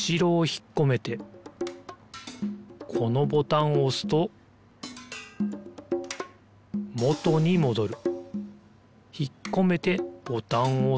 ひっこめてボタンをおすともとにもどる。